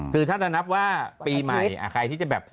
คือถ้าจะนับว่าปีใหม่ใครที่จะแบบ